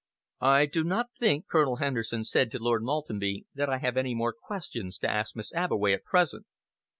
"I do not think," Colonel Henderson said to Lord Maltenby, "that I have any more questions to ask Miss Abbeway at present."